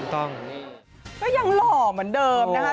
ก็ยังหล่อเหมือนเดิมนะคะ